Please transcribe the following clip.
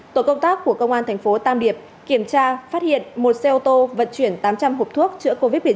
tổ công tác của công an thành phố tam điệp kiểm tra phát hiện một xe ô tô vận chuyển tám trăm linh hộp thuốc chữa covid một mươi chín